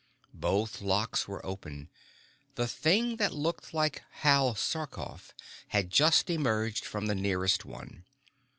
Both locks were open. The thing that looked like Hal Sarkoff had just emerged from the nearest one.